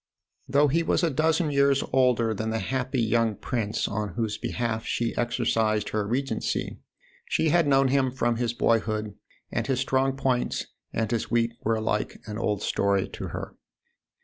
Though he was a dozen years older than the happy young prince on whose behalf she exercised her regency, she had known him from his boyhood, and his strong points and his weak were alike an old story to her.